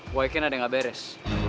gue pikir ada yang nggak beres